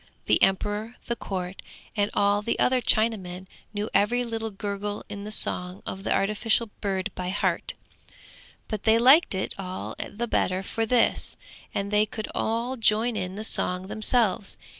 The emperor, the court, and all the other Chinamen knew every little gurgle in the song of the artificial bird by heart; but they liked it all the better for this, and they could all join in the song themselves.